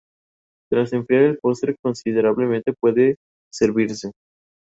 Es hermana del dramaturgo Sergio Blanco.